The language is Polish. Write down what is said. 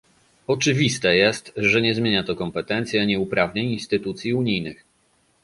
Oczywiste jest, że nie zmienia to kompetencji, ani uprawnień instytucji unijnych